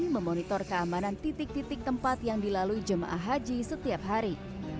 memonitor keamanan titik titik tempat yang dilalui jemaah haji setiap hari